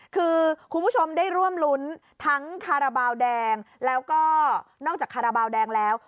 คือคุณผู้ชมได้ร่วมรุ้นทั้งคาราบาลแดงแล้วก็นอกจากคาราบาลแดงแล้ว